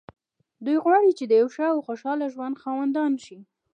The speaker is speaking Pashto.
دوی غواړي چې د يوه ښه او خوشحاله ژوند خاوندان شي.